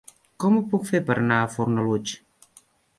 Com ho puc fer per anar a Fornalutx?